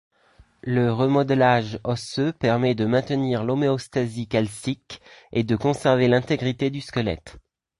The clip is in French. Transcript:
Le remodelage osseux permet de maintenir l'homéostasie calcique et de conserver l'intégrité du squelette.